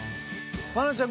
愛菜ちゃん